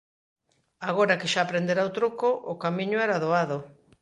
Agora que xa aprendera o truco, o camiño era doado.